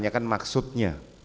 saya tanya kan maksudnya